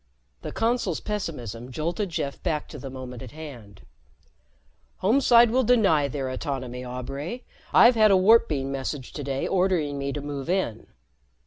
The Consul's pessimism jolted Jeff back to the moment at hand. "Homeside will deny their autonomy, Aubray. I've had a warp beam message today ordering me to move in."